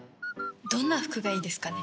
どんな服がいいですかね？